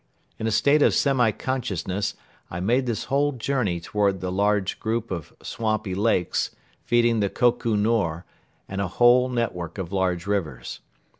In a state of semi consciousness I made this whole journey toward the large group of swampy lakes, feeding the Koko Nor and a whole network of large rivers.